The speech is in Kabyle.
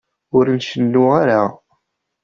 Ur ncennu ara.